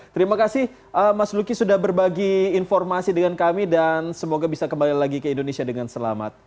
terima kasih mas luki sudah berbagi informasi dengan kami dan semoga bisa kembali lagi ke indonesia dengan selamat